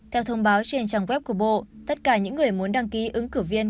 theo thông báo trên trang web của bộ tất cả những người muốn đăng ký ứng cử viên